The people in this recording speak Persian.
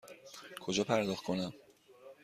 کجا پرداخت کنم؟